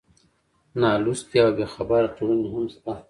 نالوستې او بېخبره ټولنې هم شته.